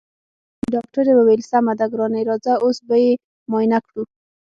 ډاکټرې وويل سمه ده ګرانې راځه اوس به يې معاينه کړو.